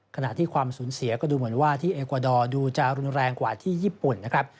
ขณะที่ความสูญเสียก็ดูเหมือนว่าที่เอกวาดอร์ดูจะรุนแรงกว่าที่ญี่ปุ่นนะครับ